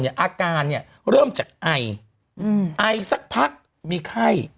อาการเนี่ยเริ่มจากไอไอสักพักมีไข้